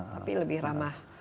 tapi lebih ramah